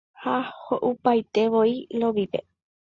Ha ho'upaitevoi Lovípe.